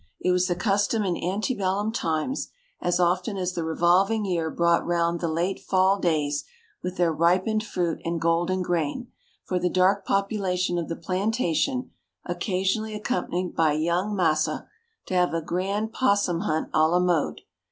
It was the custom in ante bellum times, as often as the revolving year brought round the late fall days with their ripened fruit and golden grain, for the dark population of the plantation, occasionally accompanied by young 'massa,' to have a grand 'possum hunt a la mode.